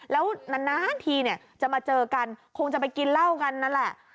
แล้วนานทีเนี่ยจะมาเจอกันคงจะไปกินเหล้ากันนั่นแหละ